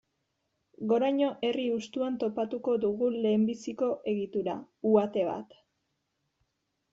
Goraño herri hustuan topatuko dugu lehenbiziko egitura, uhate bat.